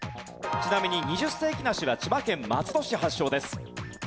ちなみに二十世紀梨は千葉県松戸市発祥です。